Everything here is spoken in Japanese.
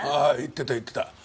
ああ言ってた言ってた。